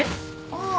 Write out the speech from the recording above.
ああ。